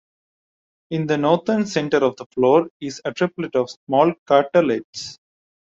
In the northern center of the floor is a triplet of small craterlets.